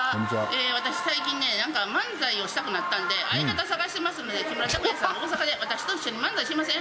私、最近ね、なんか漫才をしたくなったんで、相方探してますので、木村拓哉さん、大阪で私と一緒に漫才しません？